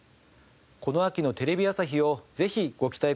この秋のテレビ朝日をぜひご期待ください。